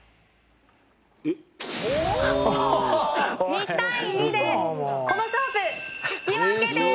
２対２でこの勝負引き分けです！